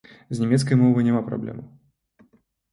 З нямецкай мовай няма праблемаў.